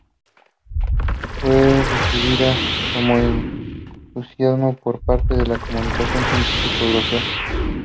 Fue recibida con entusiasmo por parte de la comunidad científica europea.